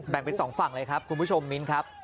เป็นสองฝั่งเลยครับคุณผู้ชมมิ้นครับ